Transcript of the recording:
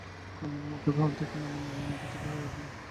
কুমুর মুখের ভাব দেখে নবীনের মন ব্যথিত হয়ে উঠল।